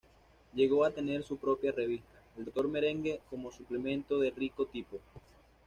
Llegó a tener su propia revista, El Doctor Merengue, como suplemento de Rico Tipo.